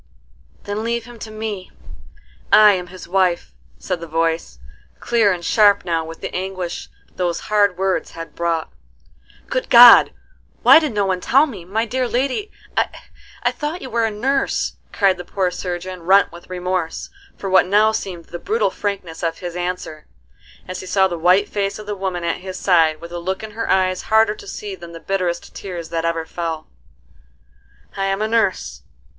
"Then leave him to me: I am his wife," said the voice, clear and sharp now with the anguish those hard words had brought. "Good God, why did no one tell me! My dear lady, I thought you were a nurse!" cried the poor surgeon rent with remorse for what now seemed the brutal frankness of his answer, as he saw the white face of the woman at his side, with a look in her eyes harder to see than the bitterest tears that ever fell. "I am a nurse.